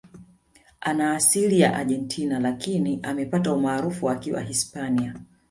Ana asili ya Argentina Lakini amepata umaarufu akiwa na Hispania